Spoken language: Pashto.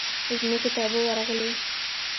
ځمکې ته اوبه ورغلې.